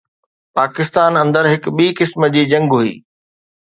پاڪستان اندر هڪ ٻي قسم جي جنگ هئي.